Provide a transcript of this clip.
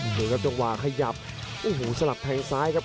โอ้โหแล้วก็จังหว่าขยับโอ้โหสลับทางซ้ายครับ